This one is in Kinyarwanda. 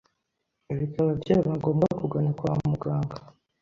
bikaba byaba ngombwa kugana kwa muganga.